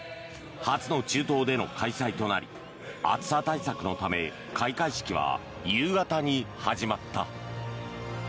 初の中東での開催となり暑さ対策のため開会式は夕方に始まった。